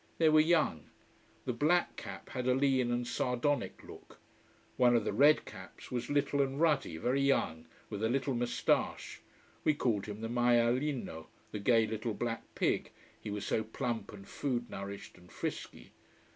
They were young. The black cap had a lean and sardonic look: one of the red caps was little and ruddy, very young, with a little mustache: we called him the maialino, the gay little black pig, he was so plump and food nourished and frisky.